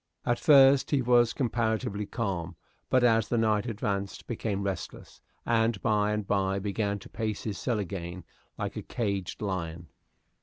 At first he was comparatively calm, but as the night advanced became restless, and by and by began to pace his cell again like a caged lion.